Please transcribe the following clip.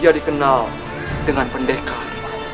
dia dikenal dengan pendekar